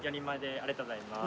ありがとうございます。